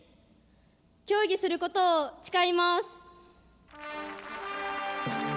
競技することを誓います。